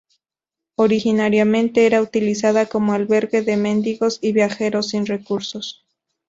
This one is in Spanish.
Originariamente era utilizada como albergue de mendigos y viajeros sin recursos.